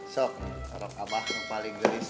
sok atau abah yang paling gelis